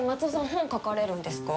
本書かれるんですか？